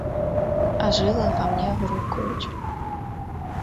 А жылы ва мне грукаюць.